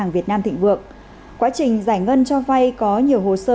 hàng việt nam thịnh vượng quá trình giải ngân cho vay có nhiều hồ sơ